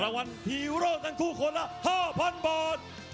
รางวัลฮีโร่กันคู่คนละ๕๐๐๐บอร์ด